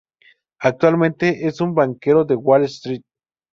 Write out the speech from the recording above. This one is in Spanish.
Actualmente es un banquero de Wall Street.